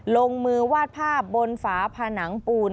ลงมือวาดภาพบนฝาผนังปูน